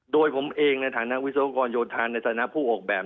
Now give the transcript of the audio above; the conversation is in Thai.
โดยผมเองในฐานะวิศวกรโยธานในฐานะผู้ออกแบบ